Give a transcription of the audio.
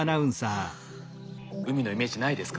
海のイメージないですか？